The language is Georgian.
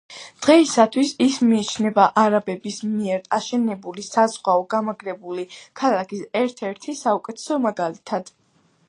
დღეისათვის ის მიიჩნევა არაბების მიერ აშენებული საზღვაო გამაგრებული ქალაქის ერთ-ერთ საუკეთესო მაგალითად.